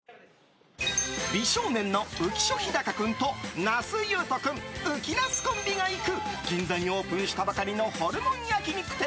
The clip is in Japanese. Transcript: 美少年の浮所飛貴君と那須雄登君うきなすコンビが行く銀座にオープンしたばかりのホルモン焼き肉店。